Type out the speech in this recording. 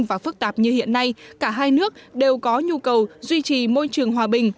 và phức tạp như hiện nay cả hai nước đều có nhu cầu duy trì môi trường hòa bình